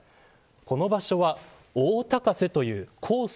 この場所は、大高瀬と呼ぶコース